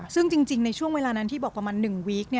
ซึ่งจริงในช่วงเวลานั้นที่บอกประมาณ๑วีค